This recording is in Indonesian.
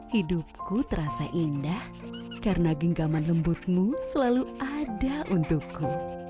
hidupku terasa indah karena genggaman lembutmu selalu ada untukku